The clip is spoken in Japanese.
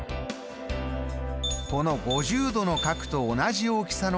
この５０度の角と同じ大きさの角。